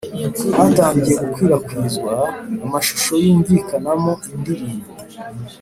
hatangiye gukwirakwizwa amashusho yumvikanamo indirimbo